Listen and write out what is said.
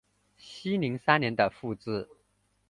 熙宁三年复置。